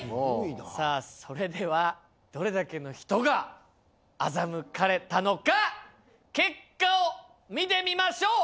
さあそれではどれだけの人が欺かれたのか結果を見てみましょう。